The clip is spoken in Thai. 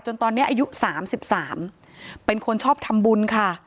ตอนนี้อายุ๓๓เป็นคนชอบทำบุญค่ะ